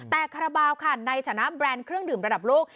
แต่คาราบาลค่ะในฐานะแบรนด์เครื่องดื่มระดับโลก